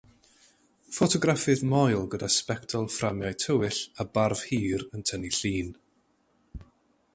Ffotograffydd moel gyda sbectol fframiau tywyll a barf hir yn tynnu llun.